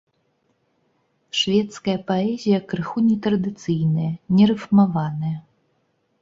Шведская паэзія крыху нетрадыцыйная, нерыфмаваная.